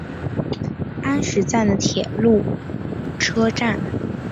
安食站的铁路车站。